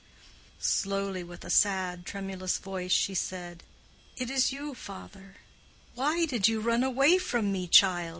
Slowly, with a sad, tremulous voice, she said, "It is you, father." "Why did you run away from me, child?"